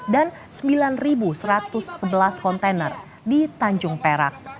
dan sembilan satu ratus sebelas kontainer di tanjung perak